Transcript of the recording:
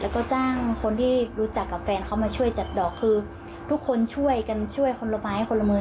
แล้วก็จ้างคนที่รู้จักกับแฟนเขามาช่วยจัดดอกคือทุกคนช่วยกันช่วยคนละไม้คนละมือ